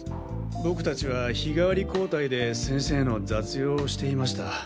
僕たちは日替わり交代で先生の雑用をしていました。